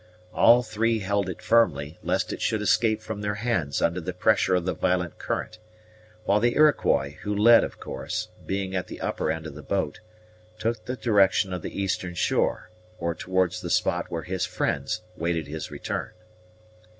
All three held it firmly, lest it should escape from their hands under the pressure of the violent current, while the Iroquois, who led, of course, being at the upper end of the boat, took the direction of the eastern shore, or towards the spot where his friends waited his return.